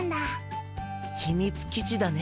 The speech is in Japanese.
ひみつ基地だね。